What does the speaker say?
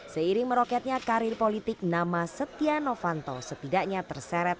seiring meroketnya karir politik nama setia novanto setidaknya terseret